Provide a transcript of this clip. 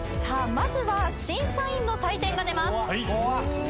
さあまずは審査員の採点が出ます。